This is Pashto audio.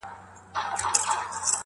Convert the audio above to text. ما ته بيرته يو ځل راكه اولادونه؛